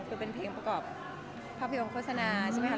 คือเป็นเพลงประกอบภาพยนตร์โฆษณาใช่ไหมคะ